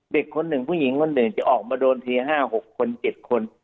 เด็กคนหนึ่งผู้หญิงคนน่ะชิงออกมาโดนถึง๕๖๗คน